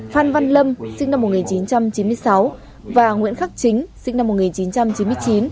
phan văn lâm sinh năm một nghìn chín trăm chín mươi sáu và nguyễn khắc chính sinh năm một nghìn chín trăm chín mươi chín